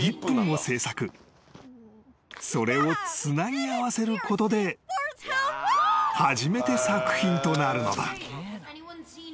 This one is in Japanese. ［それをつなぎ合わせることで初めて作品となるのだ］